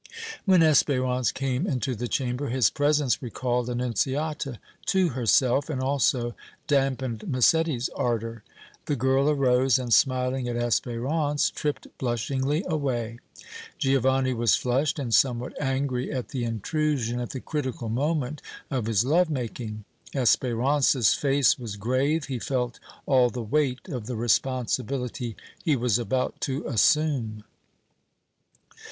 When Espérance came into the chamber, his presence recalled Annunziata to herself and also dampened Massetti's ardor. The girl arose and, smiling at Espérance, tripped blushingly away. Giovanni was flushed and somewhat angry at the intrusion at the critical moment of his love making. Espérance's face was grave; he felt all the weight of the responsibility he was about to assume.